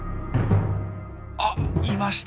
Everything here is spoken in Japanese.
あっいました。